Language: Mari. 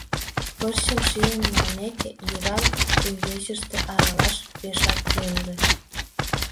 Пырчым шийын налмеке, йӱран игечыште аралаш пешак йӧнлӧ.